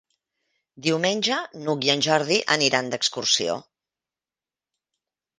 Diumenge n'Hug i en Jordi aniran d'excursió.